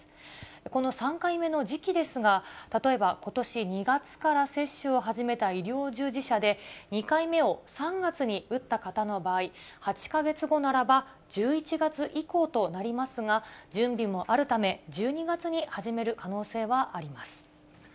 この３回目の時期ですが、例えば、ことし２月から接種を始めた医療従事者で、２回目を３月に打った方の場合、８か月後ならば１１月以降となりますが、準備もあるため、１２月に始める可能性はあります。